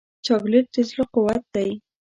چاکلېټ د زړه قوت دی.